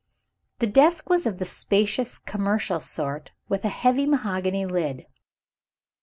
The desk was of the spacious commercial sort, with a heavy mahogany lid.